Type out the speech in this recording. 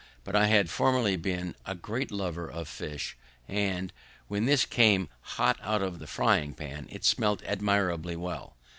But I had formerly been a great lover of fish, and, when this came hot out of the frying pan, it smelt admirably well.